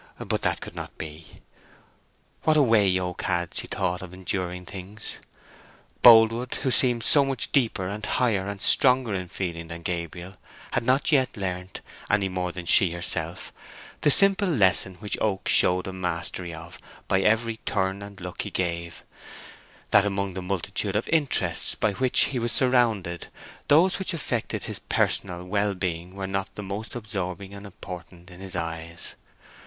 —but that could not be. What a way Oak had, she thought, of enduring things. Boldwood, who seemed so much deeper and higher and stronger in feeling than Gabriel, had not yet learnt, any more than she herself, the simple lesson which Oak showed a mastery of by every turn and look he gave—that among the multitude of interests by which he was surrounded, those which affected his personal well being were not the most absorbing and important in his eyes.